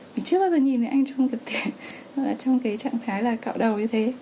mình chưa bao giờ nhìn thấy anh trong cái trạng thái là cạo đầu như thế